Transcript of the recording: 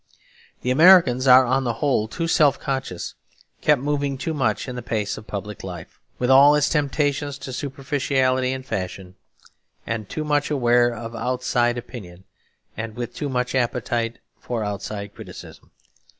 The Americans are on the whole too self conscious, kept moving too much in the pace of public life, with all its temptations to superficiality and fashion; too much aware of outside opinion and with too much appetite for outside criticism.